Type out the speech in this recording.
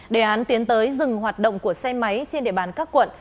đề án tiến tới dừng hoạt động của xe máy trên địa bàn các quận